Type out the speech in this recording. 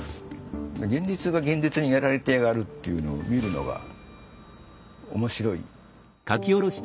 現実が現実にやられてやがるっていうのを見るのが面白い。